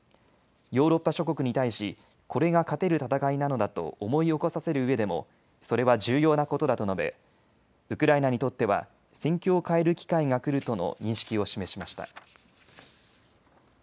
ヨーロッパ諸国に対しこれが勝てる戦いなのだと思い起こさせるうえでもそれは重要なことだと述べウクライナにとっては戦況を変える機会が来るとの認識を示しました。